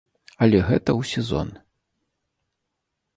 Але гэта ў сезон.